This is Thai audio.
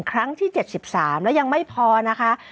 ครั้งที่๗๓แล้วยังไม่พอนะคะ